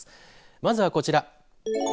まずはこちら。